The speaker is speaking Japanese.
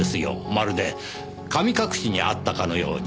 まるで神隠しにあったかのように。